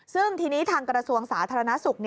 ซึ่งทีนี้ทางกระทรวงสาธารณสุข